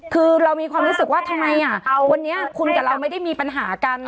คือเรามีความรู้สึกว่าทำไมวันนี้คุณกับเราไม่ได้มีปัญหากัน